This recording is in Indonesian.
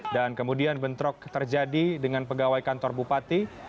dan kemudian bentrok terjadi dengan pegawai kantor bupati